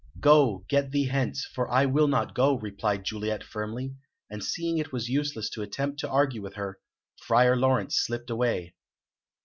"Go, get thee hence, for I will not go," replied Juliet firmly; and seeing it was useless to attempt to argue with her, Friar Laurence slipped away.